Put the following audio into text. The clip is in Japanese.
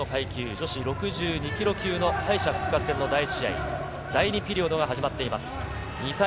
女子６２ｋｇ級の敗者復活戦の第１試合、第２ピリオドが始まっています。